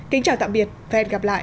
kính chào tạm biệt và hẹn gặp lại